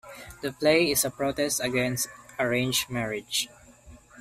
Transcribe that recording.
The play is a protest against arranged marriage.